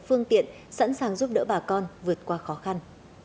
phương tiện sẵn sàng giúp đỡ bà con vượt qua khó khăn